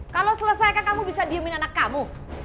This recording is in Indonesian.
kalau selesaikan kamu bisa diemin anak kamu